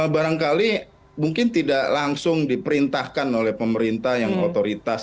barangkali mungkin tidak langsung diperintahkan oleh pemerintah yang otoritas